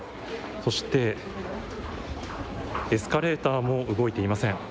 そして、エスカレーターも動いていません。